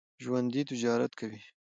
ژوندي تجارت کوي